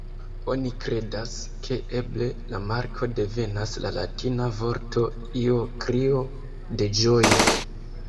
Oni kredas, ke eble la marko devenas la latina vorto "io", krio de ĝojo.